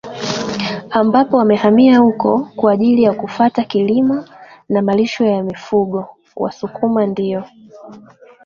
Ambapo wamehamia huko kwa ajili ya kufata kilimo na malisho ya mifugoWasukuma ndio